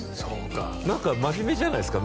なんか真面目じゃないですか。